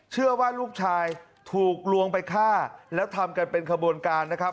เชื่อว่าลูกชายถูกลวงไปฆ่าแล้วทำกันเป็นขบวนการนะครับ